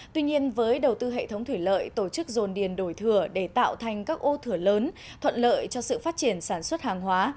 tuy nhiên với đầu tư hệ thống thủy lợi tổ chức dồn điền đổi thừa để tạo thành các ô thửa lớn thuận lợi cho sự phát triển sản xuất hàng hóa